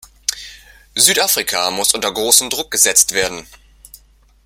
Südafrika muss unter großen Druck gesetzt werden.